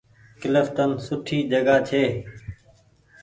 ڪلڦٽن سوٺي جگآ ڇي۔